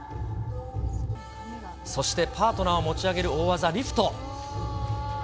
そして、パートナーを持ち上げる大技、リフト。